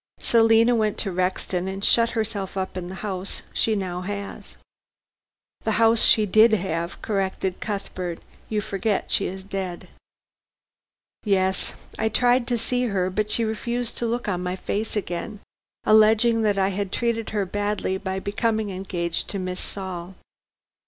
Selina went to Rexton and shut herself up in the house she now has." "The house she did have," corrected Cuthbert, "you forget she is dead." "Yes. I tried to see her, but she refused to look on my face again, alleging that I had treated her badly by becoming engaged to Miss Saul.